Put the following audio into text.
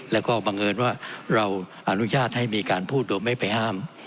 แล้วก็บังเอิญว่าเราอนุญาตให้มีการพูดโดยไม่ไปห้าม